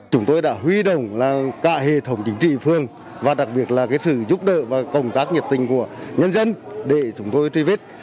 chúng tôi đã huy động cả hệ thống chính trị phương và đặc biệt là sự giúp đỡ và công tác nhiệt tình của nhân dân để chúng tôi truy vết